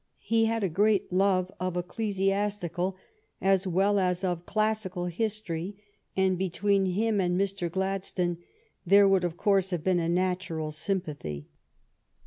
He had a great love of ecclesiastical as well as of classical history, and between him and Mr. Gladstone there would, of course, have been a natural sympathy.